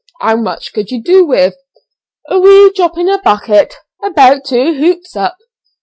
"How much could you do with?" "A wee drop in a bucket, about two hoops up.